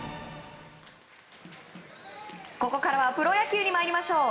ここからはプロ野球に参りましょう。